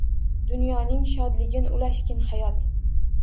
Dunyoning shodligin ulashgin hayot